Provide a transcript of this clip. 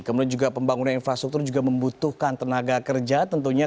kemudian juga pembangunan infrastruktur juga membutuhkan tenaga kerja tentunya